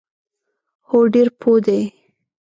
هو، ډیر پوه دي